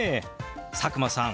佐久間さん